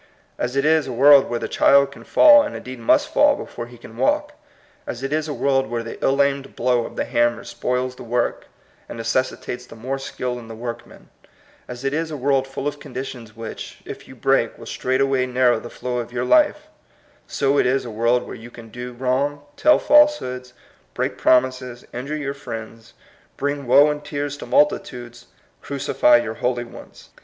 As it is a world where the child can fall, and indeed must fall before he can walk; as it is a world where the ill aimed blow of the hammer spoils the work, and necessitates the more skill in the workman; as it is a world full of conditions which, if you break, will straightway narrow the flow of your life, — so it is a world where you can do wrong, tell falsehoods, break promises, injure your friends, bring woe and tears to multitudes, crucify your holy ones.